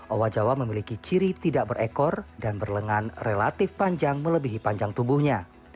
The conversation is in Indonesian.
owa jawa memiliki ciri tidak berekor dan berlengan relatif panjang melebihi panjang tubuhnya